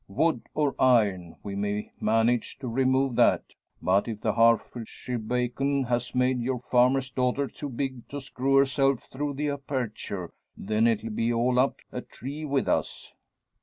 Wood or iron, we may manage to remove that; but if the Herefordshire bacon has made your farmer's daughter too big to screw herself through the aperture, then it'll be all up a tree with us.